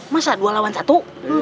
masa dua lawan satu